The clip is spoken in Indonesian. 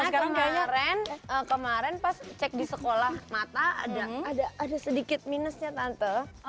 karena kemarin pas cek di sekolah mata ada sedikit minusnya tante